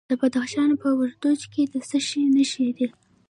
د بدخشان په وردوج کې د څه شي نښې دي؟